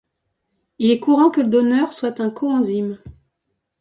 Il est courant que le donneur soit un coenzyme.